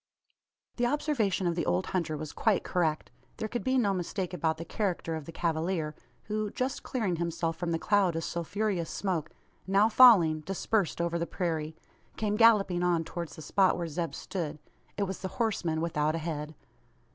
The observation of the old hunter was quite correct. There could be no mistake about the character of the cavalier, who, just clearing himself from the cloud of sulphureous smoke now falling, dispersed over the prairie came galloping on towards the spot where Zeb stood. It was the horseman without a head.